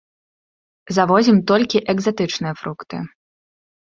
Завозім толькі экзатычныя фрукты.